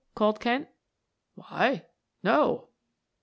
called Kent. "Why, no."